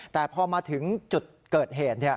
แต่พอมาถึงจุดเกิดเหตุ